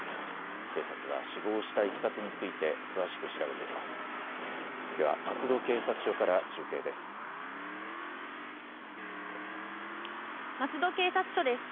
警察は死亡したいきさつについて詳しく調べています。